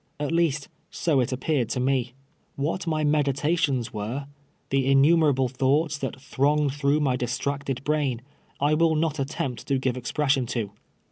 At least, so it appear ed to me. Wliat my meditations were — tlie inniime ralile tliouglits that thrcMigcd through my distracted brain — I will not attempt to give expression to.